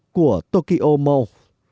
của tokyo mall